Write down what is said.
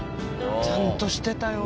ちゃんとしてたよ。